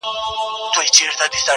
څنگه دي زړه څخه بهر وباسم.